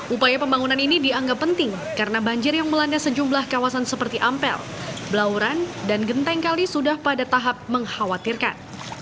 upaya pembangunan ini dianggap penting karena banjir yang melanda sejumlah kawasan seperti ampel belauran dan genteng kali sudah pada tahap mengkhawatirkan